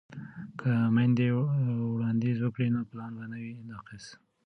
که میندې وړاندیز وکړي نو پلان به نه وي ناقص.